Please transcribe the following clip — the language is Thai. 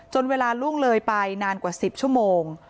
เวลาล่วงเลยไปนานกว่า๑๐ชั่วโมง